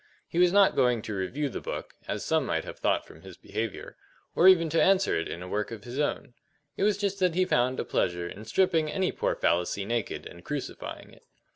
He was not going to review the book (as some might have thought from his behaviour), or even to answer it in a work of his own. It was just that he found a pleasure in stripping any poor fallacy naked and crucifying it.